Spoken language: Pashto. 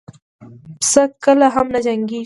پسه کله هم جنګ نه کوي.